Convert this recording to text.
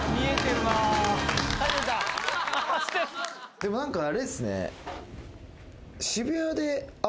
でも何かあれですね。